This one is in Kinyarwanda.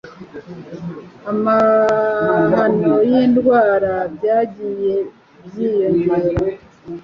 Amahano n’indwara byagiye byiyongera